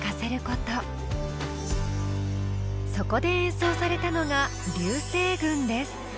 そこで演奏されたのが「龍星群」です。